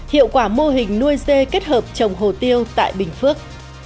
hiệu quả mô hình nuôi dê kết hợp trồng hồ tiêu tại bình phước